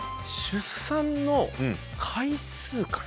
出産の回数かな。